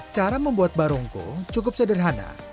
cara membuat barongko cukup sederhana